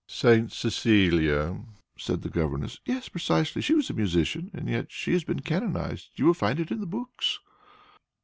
"Saint Cecilia," said the governess. "Yes, precisely. She was a musician, and yet she has been canonized; you will find it in books."